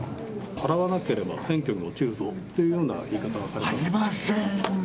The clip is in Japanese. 払わなければ選挙に落ちるぞというような言い方はされましたありませーん。